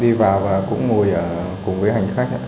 đi vào và cũng ngồi cùng với hành khách